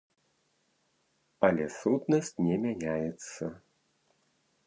Але сутнасць не мяняецца.